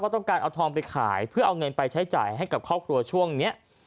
ต้องการเอาทองไปขายเพื่อเอาเงินไปใช้จ่ายให้กับครอบครัวช่วงนี้